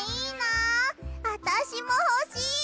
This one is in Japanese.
あたしもほしい！